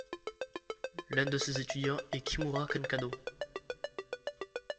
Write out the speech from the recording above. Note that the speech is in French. L'un de ses étudiants est Kimura Kenkadō.